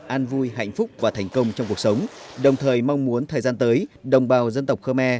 an vui hạnh phúc và thành công trong cuộc sống đồng thời mong muốn thời gian tới đồng bào dân tộc khơ me